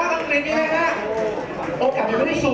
โอกาสมัยไม่ปุ้นสูง